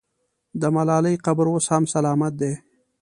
د ملالۍ قبر اوس هم سلامت دی.